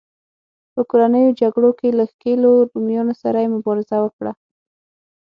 په کورنیو جګړو کې له ښکېلو رومیانو سره یې مبارزه وکړه